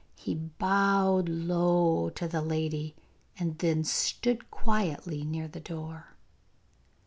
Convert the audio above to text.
He bowed low to the lady and then stood quietly near the door.